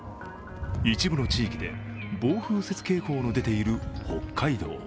一部の地域で暴風雪警報の出ている北海道。